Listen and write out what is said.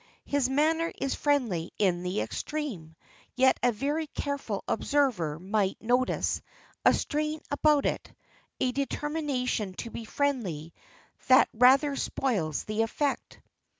His manner is friendly in the extreme, yet a very careful observer might notice a strain about it, a determination to be friendly that rather spoils the effect.